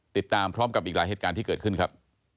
ติดตามพร้อมกับอีกหลายเหตุการณ์ที่เกิดขึ้นครับ